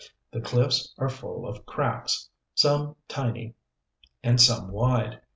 The cliffs are full of cracks, some tiny and some wide.